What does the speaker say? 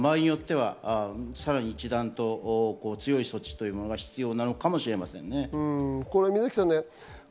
さらに一段と強い措置というのも必要なのかもしれませんね。